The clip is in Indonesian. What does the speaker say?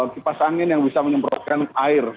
kipas angin yang bisa menyemprotkan air